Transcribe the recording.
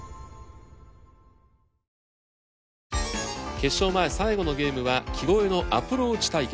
決勝前最後のゲームは木越えのアプローチ対決。